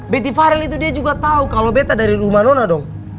beti farel itu dia juga tau kalo bete dari rumah nona dong